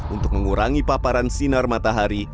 untuk mengurangi paparan sinar matahari